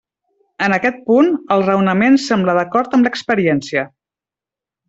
En aquest punt, el raonament sembla d'acord amb l'experiència.